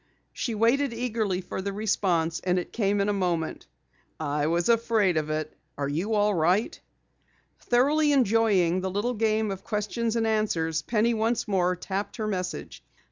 She waited eagerly for the response and it came in a moment. "I WAS AFRAID OF IT. ARE YOU ALL RIGHT?" Thoroughly enjoying the little game of questions and answers, Penny once more tapped her message.